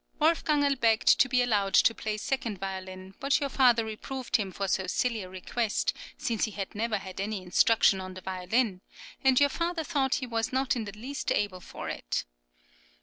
Wolfgangerl begged to be allowed to play second violin, but your father reproved him for so silly a request, since he had never had any {CHILDHOOD.} (24) instruction on the violin, and your father thought he was not in the least able for it.